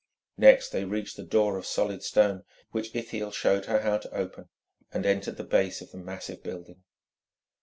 Next, they reached the door of solid stone which Ithiel showed her how to open, and entered the base of the massive building.